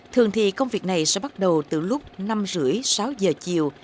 thường thì công việc này sẽ bắt đầu từ lúc năm rưỡi sáu giờ chiều